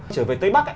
trở về tây bắc